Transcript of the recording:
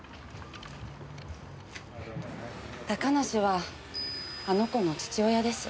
高梨はあの子の父親です。